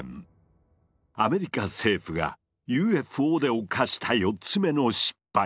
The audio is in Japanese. アメリカ政府がＵＦＯで犯した４つ目の失敗。